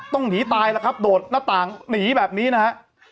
ต้องหนีตายแล้วครับโดดหน้าต่างหนีแบบนี้นะฮะ